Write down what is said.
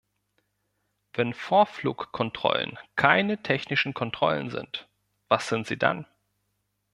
Wenn Vorflugkontrollen keine technischen Kontrollen sind, was sind sie dann?